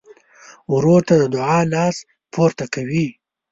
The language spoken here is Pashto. ورور ته د دعا لاس پورته کوي.